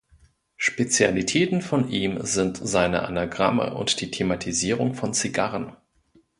Spezialitäten von ihm sind seine Anagramme und die Thematisierung von Zigarren.